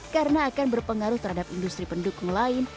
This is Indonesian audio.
karena akan berpengaruh terhadap industri pendukung lain